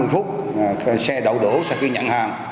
năm mươi phút xe đậu đỗ sau khi nhận hàng